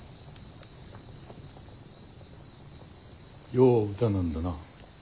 よう打たなんだな。